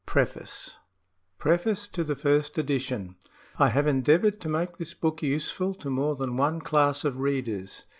iWoki* PREFACE TO THE FIRST EDITION I HAVE endeavoured to make this book useful to more than one class of readers.